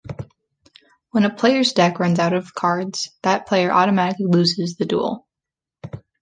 When a player's deck runs out of cards, that player automatically loses the duel.